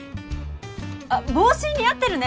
あっ帽子似合ってるね。